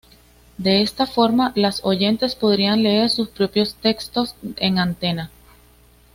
De esta forma, las oyentes podrían leer sus propios textos en antena.